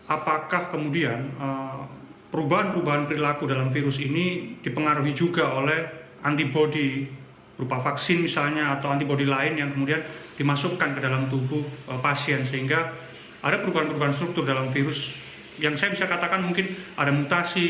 apakah kemudian perubahan perubahan perilaku dalam virus ini dipengaruhi juga oleh antibody berupa vaksin misalnya atau antibody lain yang kemudian dimasukkan ke dalam tubuh pasien sehingga ada perubahan perubahan struktur dalam virus yang saya bisa katakan mungkin ada mutasi